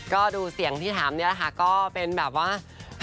ก็ดูเสียงที่ถามนี่แหละค่ะก็เป็นแบบว่า